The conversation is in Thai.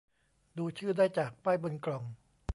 ดูชื่อได้จากป้ายบนกล่อง